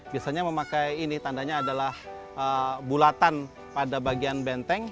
biasanya memakai ini tandanya adalah bulatan pada bagian benteng